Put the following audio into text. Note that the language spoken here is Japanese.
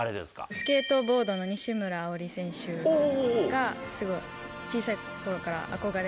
スケートボードの西村碧莉選手がすごい小さい頃から憧れ。